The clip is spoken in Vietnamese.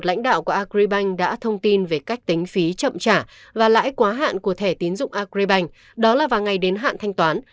lãnh đạo của agribank đã thông tin về cách tính phí chậm trả và lãi quá hạn của thẻ tiến dụng agribank đó là vào ngày đến hạn thanh toán